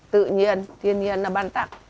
tự nhiên thiên nhiên là ban tặng